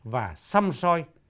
và xăm xoay